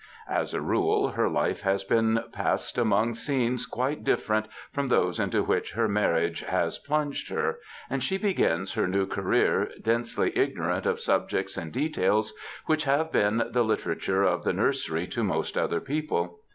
As a rule, her life has been passed among scenes quite different from those into which her marriage has plunged her, and she begins her new career densely ignorant of subjects and details which have been the literature of the nursery to most other people.